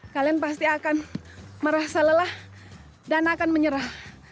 kalian pasti akan merasa lelah dan akan menyerah